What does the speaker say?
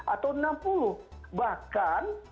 atau enam puluh bahkan